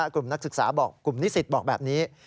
กลุ่มนักศึกษาบอกกลุ่มนิสิตบอกแบบนี้